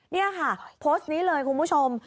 นี่ค่ะโพสต์นี้เลยคุณผู้ชม